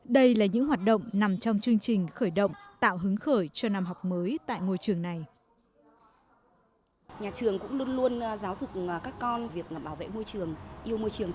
đây là những hoạt động nằm trong chương trình khởi động tạo hứng khởi cho năm học mới tại ngôi trường này